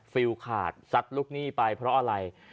ฟิลขาดซัดลูกหนี้ไปเพราะอะไร